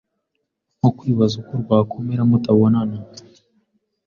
nko kwibaza uko rwakomera mutabonana